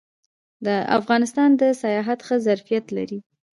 افغانستان د سیاحت ښه ظرفیت لري